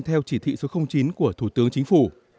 theo chỉ thị số chín của thủ tướng chính phủ